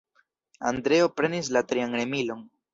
Andreo prenis la trian remilon.